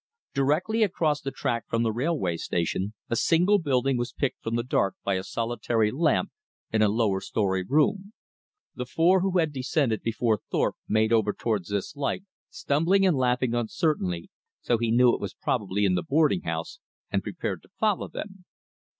Directly across the track from the railway station, a single building was picked from the dark by a solitary lamp in a lower story room. The four who had descended before Thorpe made over toward this light, stumbling and laughing uncertainly, so he knew it was probably in the boarding house, and prepared to follow them.